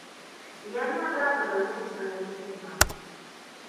Яны адразу рэагуюць на гэты сігнал.